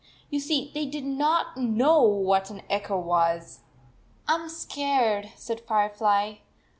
You see, they did not know what an echo was, "I m scared," said Firefly.